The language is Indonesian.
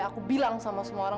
aku bilang sama semua orang